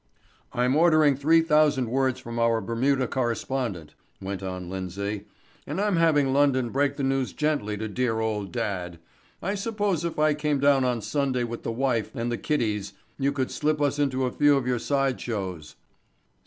'" "I'm ordering three thousand words from our Bermuda correspondent," went on Lindsay, "and I'm having London break the news gently to dear, old dad. I suppose if I came down on Sunday with the wife and the kiddies you could slip us into a few of your side shows."